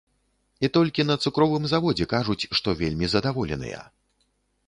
І толькі на цукровым заводзе кажуць, што вельмі задаволеныя.